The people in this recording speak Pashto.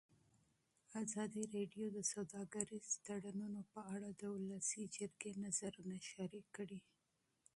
ازادي راډیو د سوداګریز تړونونه په اړه د ولسي جرګې نظرونه شریک کړي.